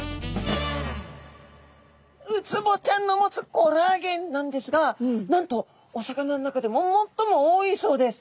ウツボちゃんの持つコラーゲンなんですがなんとお魚の中でもっとも多いそうです。